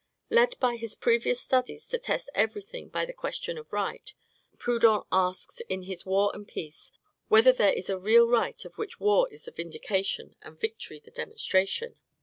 Led by his previous studies to test every thing by the question of right, Proudhon asks, in his "War and Peace," whether there is a real right of which war is the vindication, and victory the demonstration.